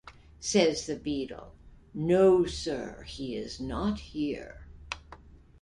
Says the beadle, "no, sir, he is not here."